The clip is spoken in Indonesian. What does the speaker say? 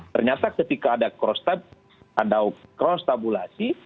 ternyata ketika ada cross tabulasi